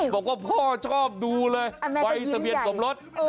บอกว่าพ่อชอบดูเลยใบทะเบียนสมรส